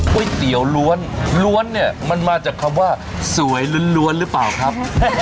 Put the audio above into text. ก้วยเตี๋ยวร้วนร้วนเนี่ยมันมาจากคำว่าสวยร้นร้วนรึเปล่าครับ